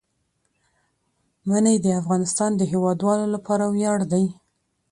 منی د افغانستان د هیوادوالو لپاره ویاړ دی.